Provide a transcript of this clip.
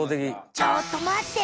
ちょっとまって！